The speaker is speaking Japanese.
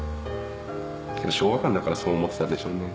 昭和館だからそう思ってたでしょうね